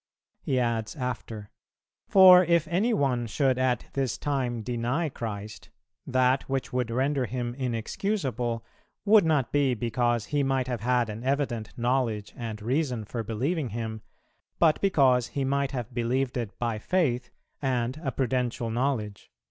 He adds after: 'For if any one should at this time deny Christ, that which would render him inexcusable would not be because he might have had an evident knowledge and reason for believing Him, but because he might have believed it by Faith and a prudential knowledge.'